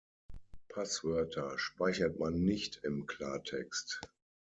Passwörter speichert man nicht im Klartext!